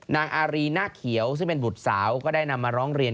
นางอารีนาคเขียวซึ่งเป็นบุตรสาวก็ได้นำมาร้องเรียน